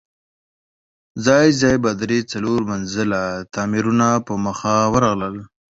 ځای ځای به درې، څلور منزله تاميرونه په مخه ورغلل.